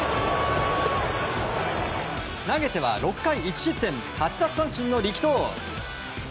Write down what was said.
投げては６回１失点８奪三振の力投。